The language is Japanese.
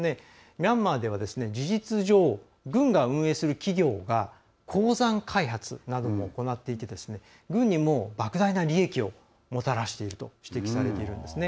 ミャンマーでは、事実上軍が運営する企業が鉱山開発などを行っていて軍にもばく大な利益をもたらしていると指摘されているんですね。